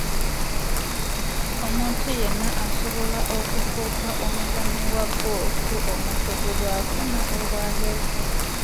Omuntu yenna asobola okufuuka omuzannyi wa ggoofu omukugu bw'afuna obwagazi.